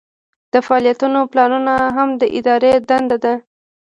د فعالیتونو پلانول هم د ادارې دنده ده.